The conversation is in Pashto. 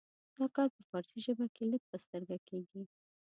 دا کار په فارسي ژبه کې لږ په سترګه کیږي.